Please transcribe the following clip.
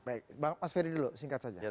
baik mas ferry dulu singkat saja